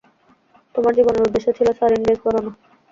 তোমার জীবনের উদ্দেশ্য ছিল সারিন গ্যাস বানানো।